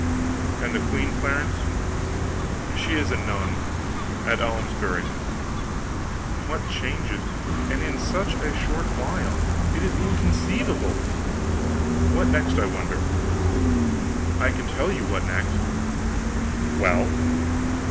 "And the queen, Clarence?" "She is a nun, in Almesbury." "What changes! and in such a short while. It is inconceivable. What next, I wonder?" "I can tell you what next." "Well?"